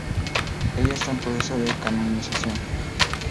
Ella está en proceso de canonización.